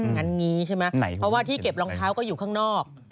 งั้นงี้ใช่ไหมเพราะว่าที่เก็บรองเท้าก็อยู่ข้างนอก